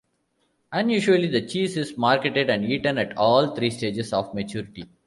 Unusually, the cheese is marketed and eaten at all three stages of maturity.